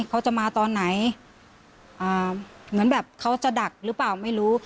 เขาจะมาตอนไหนเหมือนแบบเขาจะดักหรือเปล่าไม่รู้